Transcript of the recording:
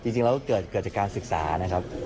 จริงแล้วเกิดจากการศึกษานะครับ